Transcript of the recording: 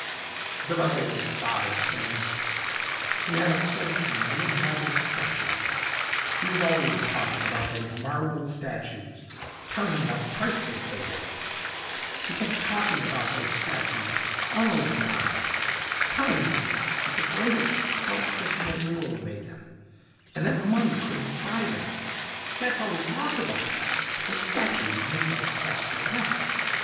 The valet was sobbing, saying, "He had a fortune in little marble statues. He was always talking about those marble statues, telling me how priceless they were. He kept talking about those statues all the time, telling me that the greatest sculptress in the world made them and that money couldn't buy them. That's all he talked about the statues made by Tess Rillette.